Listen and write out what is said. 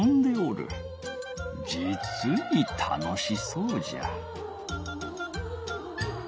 じつに楽しそうじゃ。